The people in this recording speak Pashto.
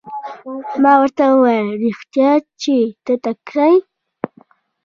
ما ورته وویل رښتیا چې تکړه یې.